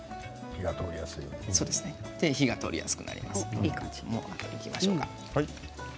火が通りやすくなるんだ。